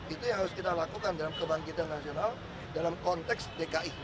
itu yang harus kita lakukan dalam kebangkitan nasional dalam konteks dki